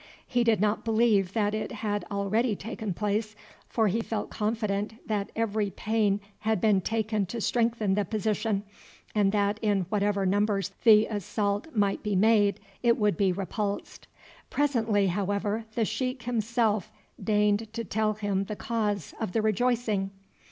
He did not believe that it had already taken place, for he felt confident that every pain had been taken to strengthen the position, and that in whatever numbers the assault might be made it would be repulsed. Presently, however, the sheik himself deigned to tell him the cause of the rejoicing.